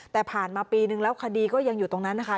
แต่ผ่านมาปีนึงแล้วคดีก็ยังอยู่ตรงนั้นนะคะ